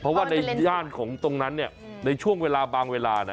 เพราะว่าในย่านของตรงนั้นในช่วงเวลาบางเวลา